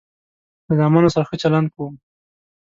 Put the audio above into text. له زامنو سره ښه چلند کوم.